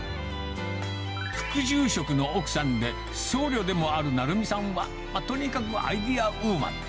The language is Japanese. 副住職の奥さんで僧侶でもある成美さんは、とにかくアイデアウーマン。